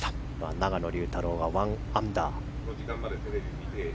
永野竜太郎は１アンダー。